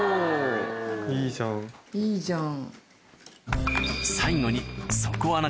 いいじゃん。